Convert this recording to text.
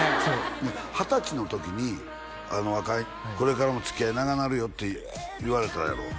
二十歳の時に若井これからもつきあい長なるよって言われたんやろ？